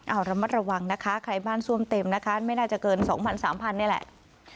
เอาละมาระวังนะคะไข่บ้านซวมเต็มนะคะไม่น่าจะเกินสองพันสามพันนี่แหละ